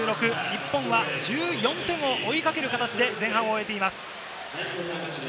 日本は１４点を追いかける形で前半を終えています。